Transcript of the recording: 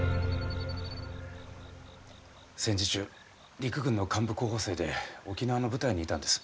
戦時中陸軍の幹部候補生で沖縄の部隊にいたんです。